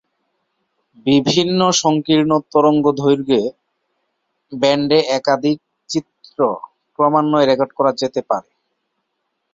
বিভিন্ন সংকীর্ণ তরঙ্গদৈর্ঘ্য ব্যান্ডে একাধিক চিত্র ক্রমান্বয়ে রেকর্ড করা যেতে পারে।